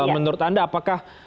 menurut anda apakah